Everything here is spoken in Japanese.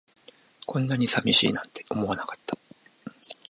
こんなに寂しいなんて思わなかった